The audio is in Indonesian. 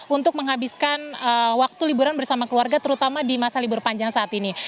untuk menghabiskan waktu liburan bersama keluarga terutama di masa libur panjang saat ini